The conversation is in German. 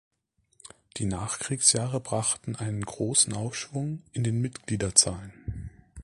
Die Nachkriegsjahre brachten einen großen Aufschwung in den Mitgliederzahlen.